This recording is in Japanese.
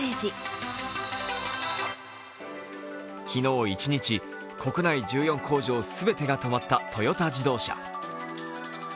昨日一日、国内１４工場全てが止まったトヨタ自動車。